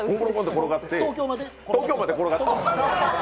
東京まで転がって。